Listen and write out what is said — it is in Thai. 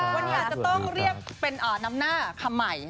วันนี้อาจจะต้องเรียกเป็นน้ำหน้าคำใหม่